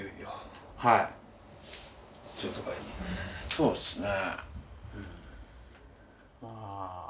そうですね。